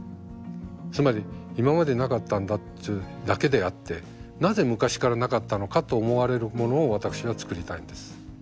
つまり今までなかったんだというだけであってなぜ昔からなかったのかと思われるものを私は作りたいんです。